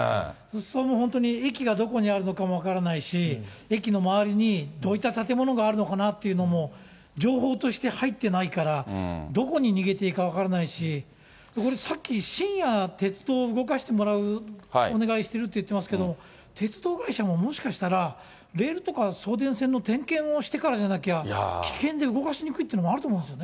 本当に駅がどこにあるのかも分からないし、駅の周りに、どういった建物があるのかなっていうのも、情報として入ってないから、どこに逃げていいか分からないし、さっき深夜、鉄道動かしてもらうお願いしてるって言ってますけれども、鉄道会社ももしかしたら、レールとか送電線の点検をしてからじゃなきゃ、危険で動かしにくいっていうのもあると思うんですよね。